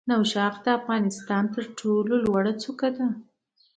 نوشاخ د افغانستان تر ټولو لوړه څوکه ده